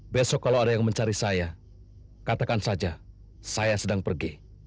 besok kalau ada yang mencari saya katakan saja saya sedang pergi